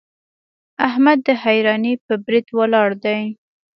احمد د حيرانۍ پر بريد ولاړ دی.